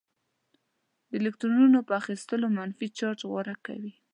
د الکترونونو په اخیستلو منفي چارج غوره کوي.